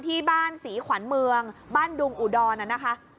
ที่บ้านศรีขวัญเมืองบ้านดุงอุดรน่ะนะคะ